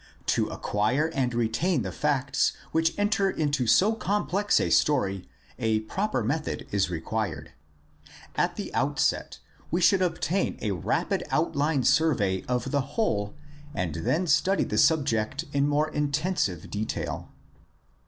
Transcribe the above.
To acquire and retain the facts which enter into so complex a story a proper method is required. At the outset we should obtain a rapid outline survey of the whole and then study the subject in more intensive detail.